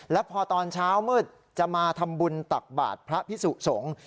แล้วพอตอนเช้ามืดจะมาทำบุญตักบาทพระพิสุสงฆ์